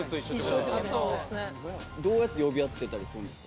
どうやって呼び合ってたりするんですか？